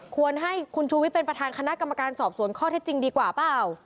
ควรให้คุณชูวิทย์เป็นประธานคณะกรรมการสอบสวนข้อเท็จจริงดีกว่าเปล่า